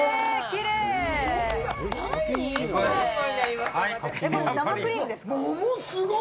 これ生クリームですか？